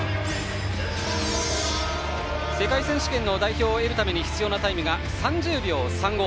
世界選手権の代表を得るために必要なタイムは３０秒３５。